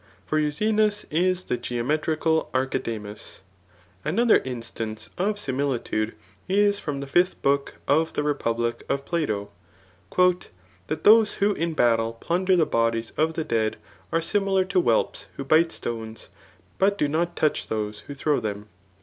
For Euxenus is the geometrical Archidamasi Another instance of similitude isTrom the [5th book of the] Rq)ublic of Plato, <' That those who in battle plunder the bodies of the dead, are similar to whelps who bite stones, but do not touch those who throw them.'